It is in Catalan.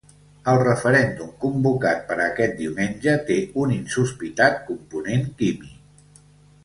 El referèndum convocat per a aquest diumenge té un insospitat component químic.